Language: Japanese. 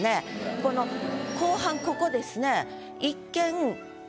この後半ここですね。